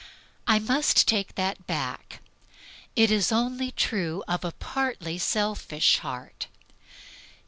I must take that back. It is only true of a partly selfish heart.